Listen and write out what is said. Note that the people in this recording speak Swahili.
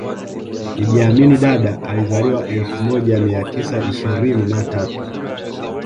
Idi Amin Dada alizaliwa elfu moja mia tisa ishirini na tatu